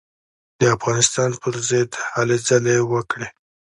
د افغانستان پر ضد هلې ځلې وکړې.